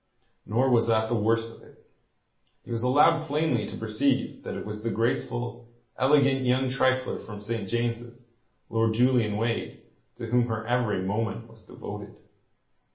Nor was that the worst of it. He was allowed plainly to perceive that it was the graceful, elegant young trifler from St. James's, Lord Julian Wade, to whom her every moment was devoted.